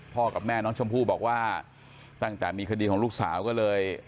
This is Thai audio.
กับแม่น้องชมพู่บอกว่าตั้งแต่มีคดีของลูกสาวก็เลย